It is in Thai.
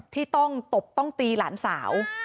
ที่ต้องตบต้องตีหลานสาว